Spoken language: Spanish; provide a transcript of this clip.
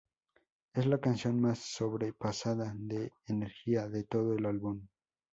Es la canción más sobrepasada de energía de todo el álbum.